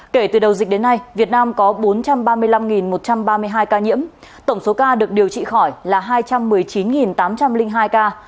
kể từ đầu dịch đến nay việt nam có bốn trăm ba mươi năm một trăm ba mươi hai ca nhiễm tổng số ca được điều trị khỏi là hai trăm một mươi chín tám trăm linh hai ca